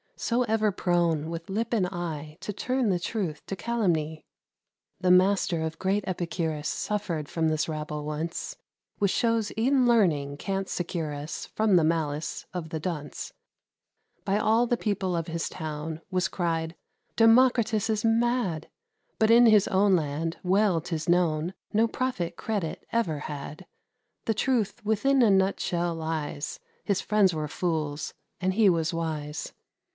So ever prone, with lip and eye, To turn the truth to calumny! The master of great Epicurus Suffered from this rabble once; Which shows e'en learning can't secure us From the malice of the dunce. By all the people of his town Was cried, "Democritus is mad!" But in his own land, well 'tis known, No prophet credit ever had. The truth within a nutshell lies: His friends were fools, and he was wise.